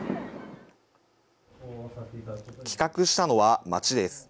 企画したのは、町です。